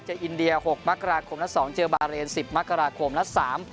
เจออินเดีย๖มากราคมและ๒เจอบาร์เรน๑๐มากราคมและ๓